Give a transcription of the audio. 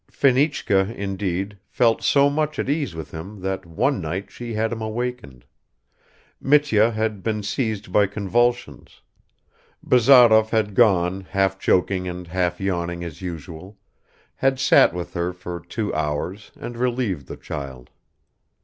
Fenichka indeed, felt so much at ease with him that one night she had him awakened; Mitya had been seized by convulsions; Bazarov had gone, half joking and half yawning as usual, had sat with her for two hours and relieved the child.